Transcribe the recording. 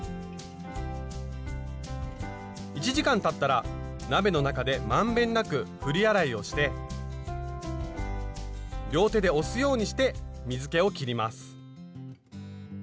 １時間たったら鍋の中で満遍なく振り洗いをして両手で押すようにして水けをきります。